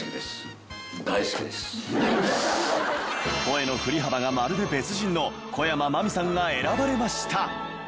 声の振り幅がまるで別人の小山茉美さんが選ばれました。